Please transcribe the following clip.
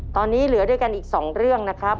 ตอนนี้เหลือด้วยกันอีก๒เรื่องนะครับ